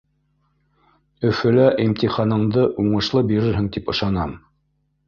Өфөлә лә имтиханыңды уңышлы бирерһең тип ышанам.